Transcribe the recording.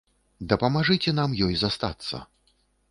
Дапамажыце нам ёй застацца.